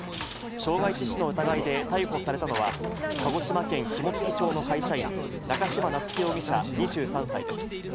傷害致死の疑いで逮捕されたのは、鹿児島県肝付町の会社員、中島夏輝容疑者２３歳です。